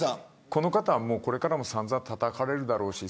この方は、これからも散々たたかれるだろうし。